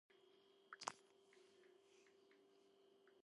ესაა იკაოს წესდების თავისებურება.